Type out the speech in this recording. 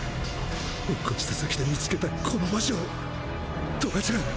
落っこちた先で見つけたこの場所トガちゃん！